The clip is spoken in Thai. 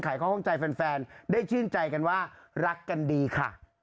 ข้อข้องใจแฟนได้ชื่นใจกันว่ารักกันดีค่ะ